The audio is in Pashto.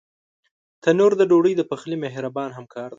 تنور د ډوډۍ د پخلي مهربان همکار دی